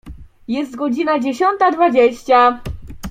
Jest godzina dziesiąta dwadzieścia.